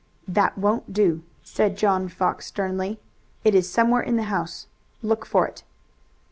"That won't do," said John Fox sternly. "It is somewhere in the house. Look for it."